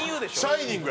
『シャイニング』。